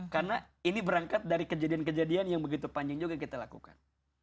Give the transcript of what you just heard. karena ini berangkat dari kejadian kejadian yang begitu panjang juga kita lakukan